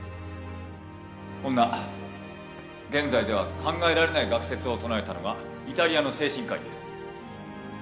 こんな現在では考えられない学説を唱えたのがイタリアの精神科医です。